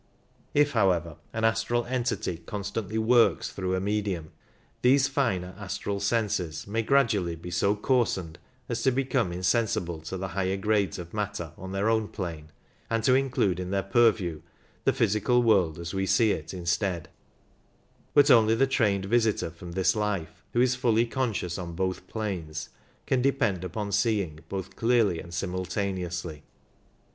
If, however, an astral entity constantly works through a medium, these finer astral senses may gradually be so coarsened as to become insensible to the higher grades of matter on their own plane, and to include in their purview the physical world as we see it instead ; but only the trained visitor from this life, who is fully conscious on both planes, can depend upon seeing both clearly and simultaneously.